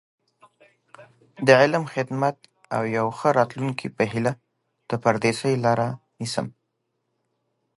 د علم، خدمت او یو ښه راتلونکي په هیله، د پردیسۍ لاره نیسم.